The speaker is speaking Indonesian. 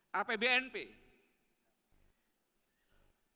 saya juga memiliki kontraksil dari bnp